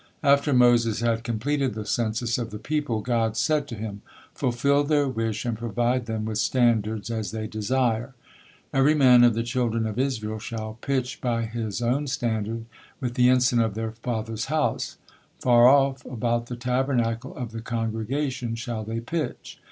After Moses had completed the census of the people, God said to Him: "Fulfill their wish and provide them with standards as they desire. 'Every man of the children of Israel shall pitch by his own standard, with the ensign of their father's house; far off about the Tabernacle of the congregation shall they pitch.'"